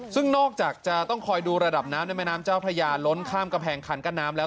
ซึ่งนอกจากจะต้องคอยดูระดับน้ำในแม่น้ำเจ้าพระยาล้นข้ามกำแพงคันกั้นน้ำแล้ว